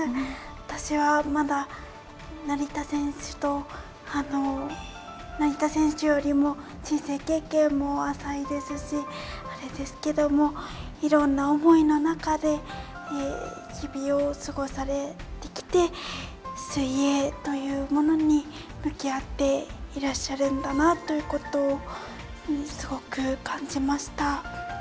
私は、まだ成田選手と成田選手よりも人生経験も浅いですしあれですけれどもいろんな思いの中で日々を過ごされてきて水泳というものに向き合っていらっしゃるんだなということをすごく感じました。